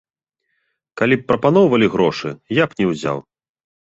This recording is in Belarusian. Калі б прапаноўвалі грошы я б не ўзяў.